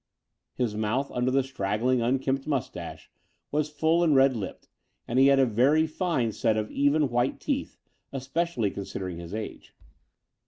His mouth under his straggling^ unkempt moustache was full and red lipped, and he had a very fine set of even, white teeth, especially considering his age.